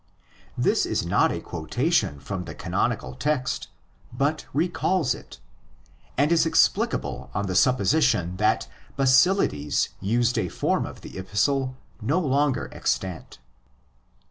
This is not a quotation from the canonical text, but recalls it, and is explicable on the supposition that Basilides used a form of the Epistle no longer extant.